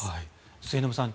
末延さん